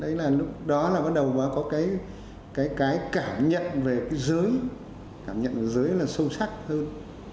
đấy là lúc đó là bắt đầu và có cái cảm nhận về cái giới cảm nhận của giới là sâu sắc hơn